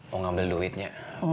mau ngambil duitnya